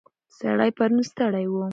سړی پرون ستړی و.